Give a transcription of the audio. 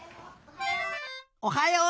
おはよう！